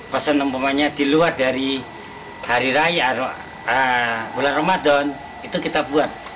pesan umpamanya di luar dari hari raya bulan ramadan itu kita buat